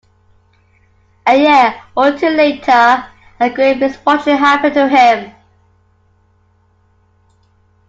A year or two later a great misfortune happened to him.